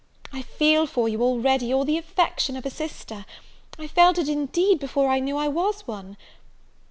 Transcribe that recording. I feel for you, already, all the affection of a sister; I felt it, indeed, before I knew I was one.